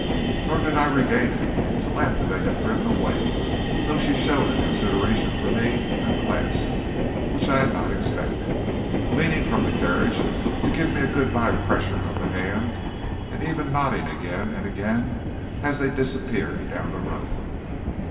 Nor did I regain it till after they had driven away, though she showed a consideration for me at the last which I had not expected, leaning from the carriage to give me a good by pressure of the hand, and even nodding again and again as they disappeared down the road.